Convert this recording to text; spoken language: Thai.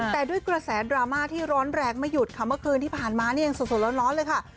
แต่ด้วยกระแสดราม่าที่ร้อนแรงไม่หยุดค่ะเมื่อคืนที่ผ่านมานี่ยังสดร้อนเลยค่ะ